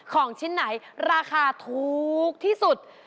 ของชิ่นไหนราคาโทรปที่สุด